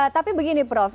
tapi begini prof